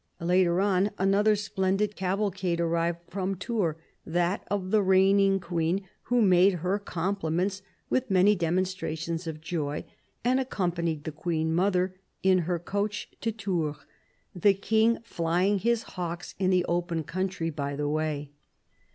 Later on, another splendid cavalcade arrived from Tours — that of the reigning Queen, who " made her compliments with many demonstrations of joy" and accom panied the Queen mother in her coach to Tours, the King flying his hawks in the open country by the way.